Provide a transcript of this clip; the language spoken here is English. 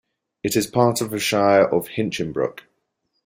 It is part of Shire of Hinchinbrook.